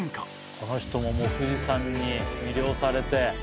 この人も富士山に魅了されて。